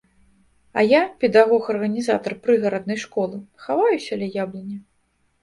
А я, педагог-арганізатар прыгараднай школы, хаваюся ля яблыні.